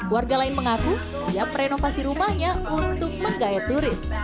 warga lain mengaku siap renovasi rumahnya untuk menggaya turis